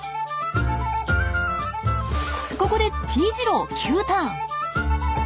ここでＴ字路を急ターン！